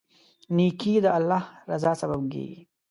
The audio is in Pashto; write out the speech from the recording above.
نیکي د الله رضا سبب کیږي.